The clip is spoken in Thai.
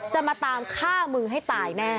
จะมาตามฆ่ามึงให้ตายแน่